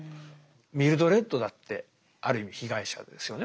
ミルドレッドだってある意味被害者ですよね